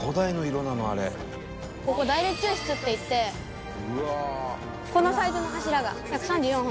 ここ大列柱室っていってこのサイズの柱が１３４本。